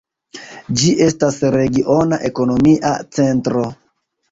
Ĝi estas regiona ekonomia centro.